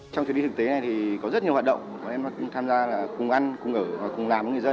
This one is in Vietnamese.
trong thời điểm thực tế này thì có rất nhiều hoạt động em cũng tham gia là cùng ăn cùng ở cùng làm với người dân